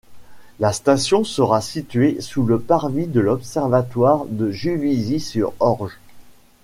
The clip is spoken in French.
La station sera située sous le parvis de l’Observatoire de Juvisy-sur-Orge.